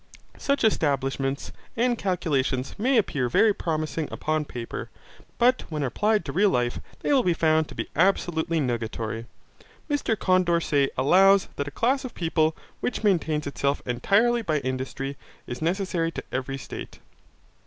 Such establishments and calculations may appear very promising upon paper, but when applied to real life they will be found to be absolutely nugatory. Mr Condorcet allows that a class of people which maintains itself entirely by industry is necessary to every state.